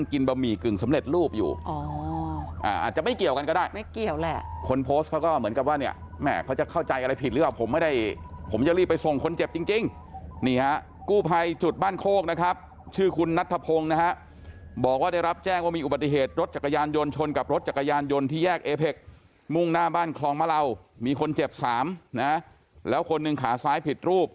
คนโพสต์เขาก็เหมือนกับว่าเนี่ยแม่เขาจะเข้าใจอะไรผิดหรือว่าผมไม่ได้ผมจะรีบไปส่งคนเจ็บจริงนี่ฮะกู้ไพจุดบ้านโคกนะครับชื่อคุณนัทธพงศ์นะฮะบอกว่าได้รับแจ้งว่ามีอุบัติเหตุรถจักรยานยนต์ชนกับรถจักรยานยนต์ที่แยกเอเภกมุ่งหน้าบ้านคลองมะเหล่ามีคนเจ็บ๓นะแล้วคนหนึ่งขาซ้ายผ